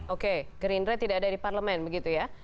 oke green red tidak ada di parlemen begitu ya